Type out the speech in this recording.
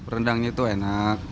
rendangnya itu enak